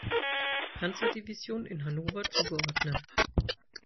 Panzerdivision in Hannover zugeordnet.